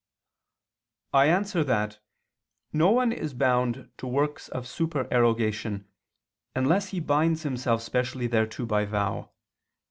I answer that, No one is bound to works of supererogation, unless he binds himself specially thereto by vow.